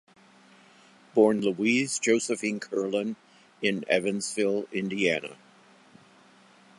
Born Louise Josephine Kerlin in Evansville, Indiana.